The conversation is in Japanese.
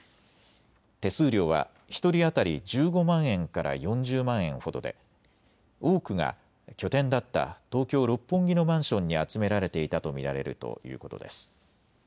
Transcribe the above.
手数料は１人当たり１５万円から４０万円ほどで多くが拠点だった東京六本木のマンションに集められていたと見られるということです。